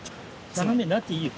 斜めになっていいよ。